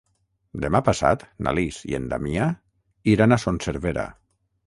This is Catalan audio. Demà passat na Lis i en Damià iran a Son Servera.